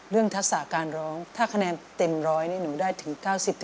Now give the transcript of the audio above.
เรื่องทักษะการร้องถ้าคะแนนเต็มร้อยหนูได้ถึง๙๐๙๕